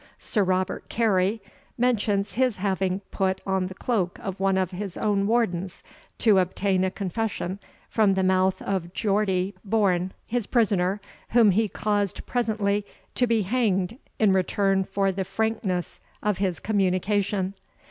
Sir Robert Carey mentions his having put on the cloak of one of his own wardens to obtain a confession from the mouth of Geordie Bourne, his prisoner, whom he caused presently to be hanged in return for the frankness of his communication.